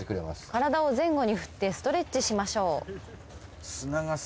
体を前後に振ってストレッチしましょう。